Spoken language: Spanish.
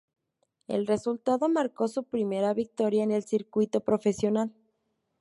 El resultado marcó su primera victoria en el circuito profesional.